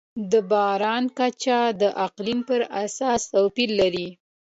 د باران کچه د اقلیم پر اساس توپیر لري.